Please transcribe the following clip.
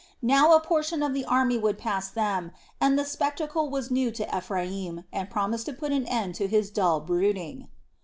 Now a portion of the army would pass them, and the spectacle was new to Ephraim and promised to put an end to his dull brooding.